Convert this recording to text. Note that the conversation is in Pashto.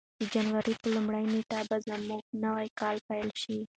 د جنوري په لومړۍ نېټه به زموږ نوی کال پیل شي.